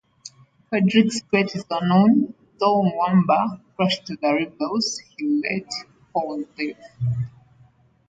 Hilderic's fate is unknown, though Wamba crushed the rebels, he let Paul live.